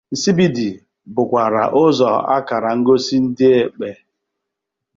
Nsibidi bụkwara ụzọ akara ngosi ndi Ekpe.